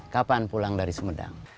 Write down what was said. kapan pulang dari sumedang